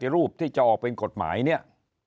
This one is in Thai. รูปที่จะออกเป็นกฎหมายเนี่ย